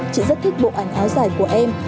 chị rất thích bộ ảnh áo giải của em